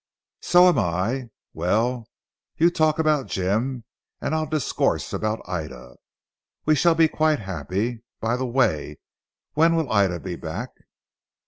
"So am I. Well you talk about Jim, and I'll discourse about Ida. We shall be quite happy. By the way, when will Ida be back?"